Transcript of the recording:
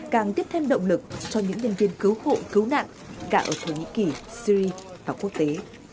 càng tiếp thêm động lực cho những nhân viên cứu hộ cứu nạn cả ở thổ nhĩ kỳ syri và quốc tế